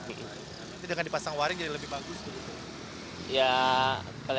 nanti dengan dipasang waring jadi lebih bagus